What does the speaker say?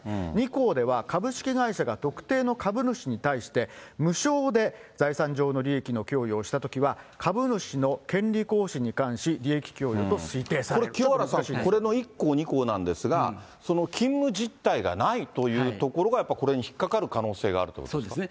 ２項では、株式会社が特定の株主に対して、無償で財産上の利益の供与をしたときは、株主の権利行使に関し、これ、清原さん、これの１項、２項なんですが、その勤務実態がないというところが、やっぱりこれに引っ掛かる可能性があるということですか。